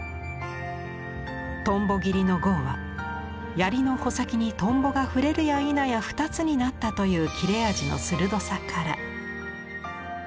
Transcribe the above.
蜻蛉切の号は槍の穂先に蜻蛉が触れるやいなや２つになったという切れ味の鋭さから。